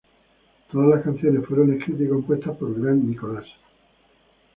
Todas las canciones fueron escritas y compuestas por Grant Nicholas.